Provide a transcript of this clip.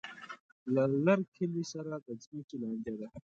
له لر کلي سره د ځمکې لانجه ده.